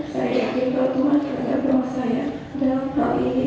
saya yakin bahwa tuhan akan permasalahan dalam hal ini